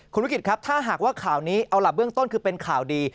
คุณวิกฤตครับถ้าหากว่าข่าวนี้เอาล่ะเบื้องต้นคือเป็นข่าวดี